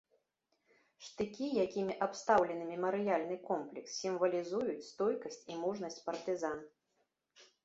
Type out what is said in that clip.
Штыкі, якімі абстаўлены мемарыяльны комплекс, сімвалізуюць стойкасць і мужнасць партызан.